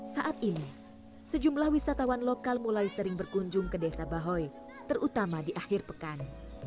saat ini sejumlah wisatawan lokal mulai sering berkunjung ke desa bahoy terutama di akhir pekan